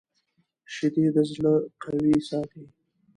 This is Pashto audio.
شیدې د زړه قوي ساتي